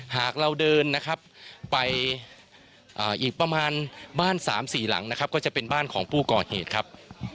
หากเราเดินนะครับไปอีกประมาณบ้าน๓๔หลังนะครับก็จะเป็นบ้านของผู้ก่อเหตุครับ